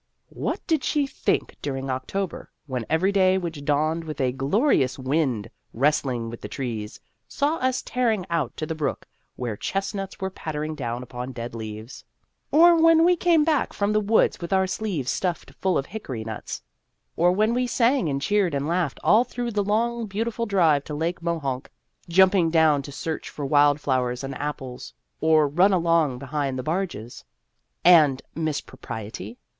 " What did she think during October, when every day which dawned with a glo rious wind wrestling with the trees, saw us tearing out to the brook, where chest nuts were pattering down upon dead leaves ? Or when we came back from the woods with our sleeves stuffed full of hickory nuts? Or when we sang and cheered and laughed all through the long beautiful drive to Lake Mohonk, jumping Danger ! 245 down to search for wild flowers and apples, or run along behind the barges? And Miss Propriety?